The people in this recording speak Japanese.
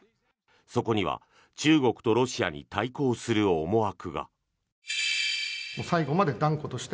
そこには中国とロシアに対抗する思惑が。